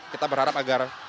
kita berharap agar